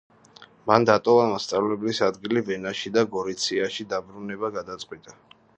მან დატოვა მასწავლებლის ადგილი ვენაში და გორიციაში დაბრუნება გადაწყვიტა.